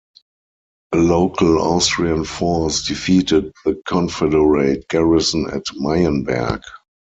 A local Austrian force defeated the confederate garrison at Meienberg.